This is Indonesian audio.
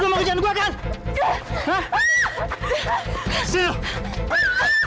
kamu mau mengejar aku kan